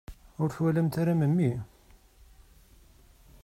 Ur twalamt ara memmi?